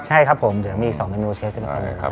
ใช่ครับผมเดี๋ยวมีอีก๒เมนูเชฟขึ้นมาเลยครับ